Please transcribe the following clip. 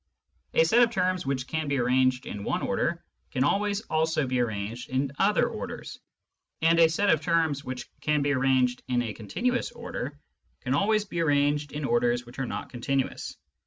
A set of terms which can be arranged in one order can always also be arranged in other orders, and a set of terms which can be arranged in a continuous order can always also be arranged in orders which are not continuous.